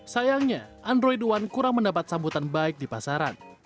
sayangnya android one kurang mendapat sambutan baik di pasaran